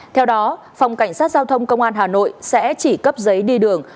theo đó phòng cảnh sát giao thông công an hà nội sẽ chỉ cấp giấy đi đường